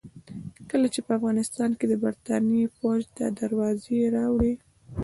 کله چې په افغانستان کې د برتانیې پوځ دا دروازې راوړې.